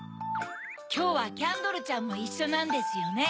きょうはキャンドルちゃんもいっしょなんですよね。